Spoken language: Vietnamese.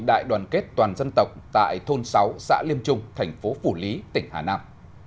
đại đoàn kết toàn dân tộc tại thôn sáu xã liêm trung thành phố phủ lý tỉnh hà nam